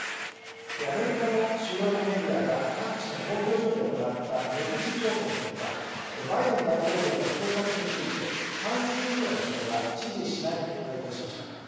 アメリカの主要なメディアが各地の投票所で行った出口調査の結果、バイデン大統領の政策について半数以上の人が支持しないと回答しました。